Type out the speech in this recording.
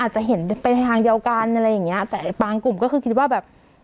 จะเห็นเป็นทางเดียวกันอะไรอย่างเงี้ยแต่บางกลุ่มก็คือคิดว่าแบบ